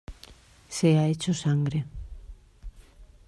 se ha hecho sangre.